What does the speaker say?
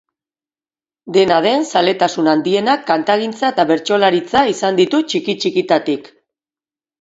Dena den, zaletasun handienak kantagintza eta bertsolaritza izan ditu txiki-txikitatik.